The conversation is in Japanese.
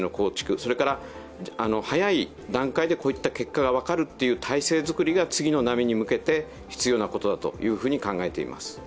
それから早い段階でこういった結果が分かる体制づくりが次の波に向けて必要なことだと考えています。